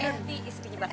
nanti istrinya bakal rinjit